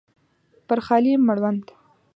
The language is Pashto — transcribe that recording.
پر خالي مړوند